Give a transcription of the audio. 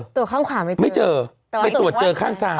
ข้างขวาไม่เจอไม่เจอไปตรวจเจอข้างซ้าย